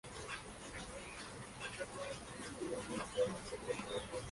Está ubicado en la ciudad de El Chaco, provincia de Napo.